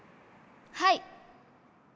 はい。